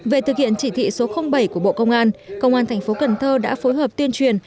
về thực hiện chỉ thị số bảy của bộ công an công an thành phố cần thơ đã phối hợp tuyên truyền